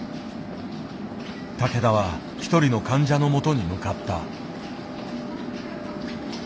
竹田は一人の患者のもとに向かった。